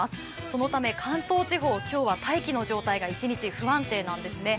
そのため、関東地方、今日は大気の状態が１日不安定なんですね